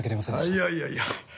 いやいやいや。